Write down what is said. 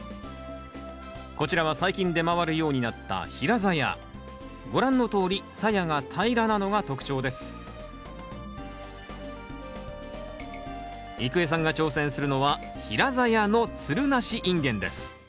こちらは最近出回るようになったご覧のとおりさやが平らなのが特徴です郁恵さんが挑戦するのは平ざやのつるなしインゲンです。